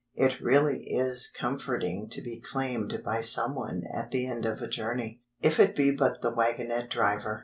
It really is comforting to be claimed by someone at the end of a journey, if it be but the wagonette driver.